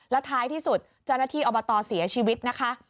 แล้วท้ายที่สุดเจ้าหน้าที่อบตเสียชีวิตนะคะ